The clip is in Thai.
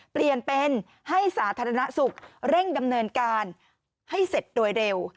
เปลี่ยนเป็นให้สาธารณสุขเร่งดำเนินการให้เสร็จโดยเร็ว